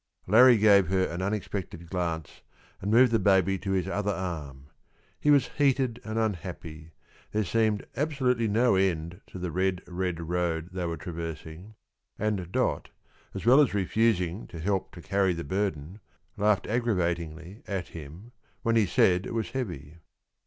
Larrie gave her an unexpected glance and moved the baby to his other arm; he was heated and unhappy, there seemed absolutely no end to the red, red road they were traversing, and Dot, as well as refusing to help to carry the burden, laughed aggravatingly at him when he said it was heavy.